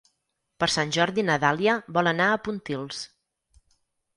Per Sant Jordi na Dàlia vol anar a Pontils.